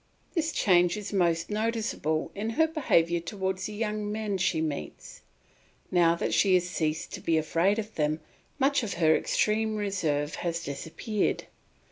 This change is most noticeable in her behaviour towards the young men she meets. Now that she has ceased to be afraid of them, much of her extreme reserve has disappeared.